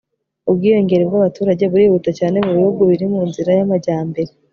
ubwiyongere bw'abaturage burihuta cyane mu bihugu biri mu nzira y'amajyambere